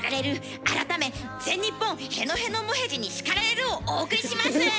改め「全日本へのへのもへじに叱られる」をお送りします！